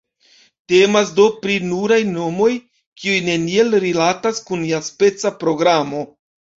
Temas do pri nuraj nomoj, kiuj neniel rilatas kun iaspeca programo.